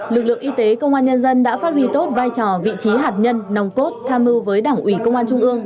lực lượng y tế công an nhân dân đã phát huy tốt vai trò vị trí hạt nhân nòng cốt tham mưu với đảng ủy công an trung ương